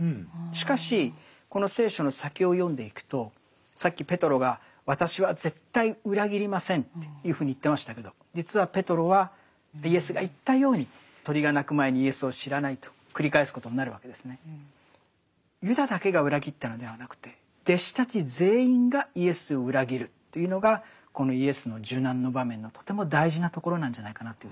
しかしこの聖書の先を読んでいくとさっきペトロが私は絶対裏切りませんというふうに言ってましたけど実はペトロはイエスが言ったように鶏が鳴く前にイエスを知らないと繰り返すことになるわけですね。というのがこのイエスの受難の場面のとても大事なところなんじゃないかなというふうに思うんですね。